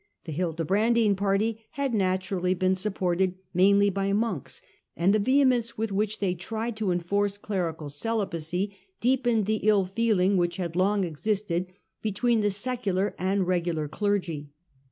the Hildebrandine party had naturally been supported mainly by monks, and the vehemence with which they tried to enforce clerical celibacy deepened the ill feeling which had long existed between the secu lar and regular clergy.